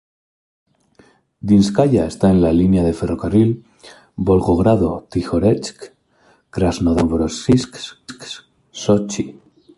Dinskaya está en la línea de ferrocarril Volgogrado-Tijoretsk- Krasnodar-Novorosisk-Sochi.